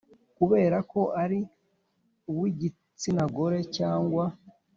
Kubera ko ari uw igitsinagore cyangwa